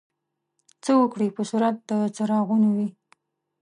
څه وګړي په صورت د څراغونو وي.